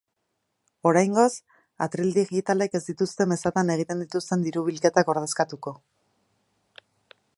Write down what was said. Oraingoz, atril digitalek ez dituzte mezatan egiten dituzten diru-bilketak ordezkatuko.